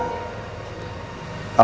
almarhum pak jajah